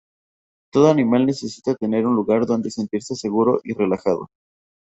Todo animal necesita tener un lugar donde sentirse seguro y relajado.